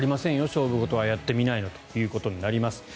勝負事はやってみないとということになります。